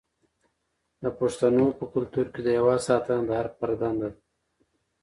د پښتنو په کلتور کې د هیواد ساتنه د هر فرد دنده ده.